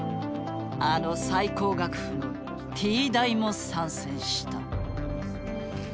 あの最高学府のＴ大も参戦した。